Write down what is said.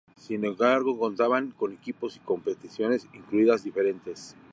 Sin embargo contaban con equipos y competiciones incluidas diferentes.